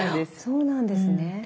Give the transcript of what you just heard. そうなんですね。